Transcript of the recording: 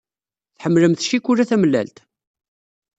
Tḥemmlemt ccikula tamellalt?